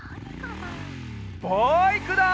バイクだ！